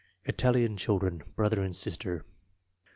Italian chil dren, brother and sister.